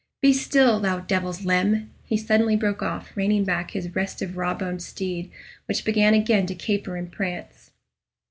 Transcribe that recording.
Be still, thou devil's limb!" he suddenly broke off, reining back his restive raw boned steed, which began again to caper and prance.